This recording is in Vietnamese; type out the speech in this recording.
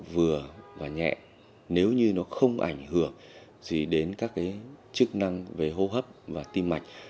vừa và nhẹ nếu như nó không ảnh hưởng gì đến các cái chức năng về hô hấp và tim mạch